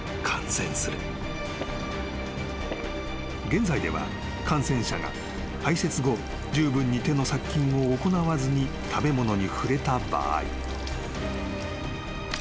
［現在では感染者が排せつ後じゅうぶんに手の殺菌を行わずに食べ物に触れた場合］